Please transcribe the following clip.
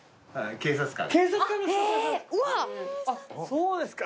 そうですか。